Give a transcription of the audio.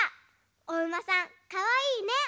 おうまさんかわいいね。